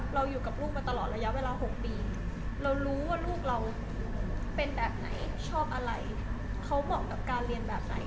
เราเป็นแบบไหนชอบอะไรเขาเหมาะกับการเรียนแบบไหน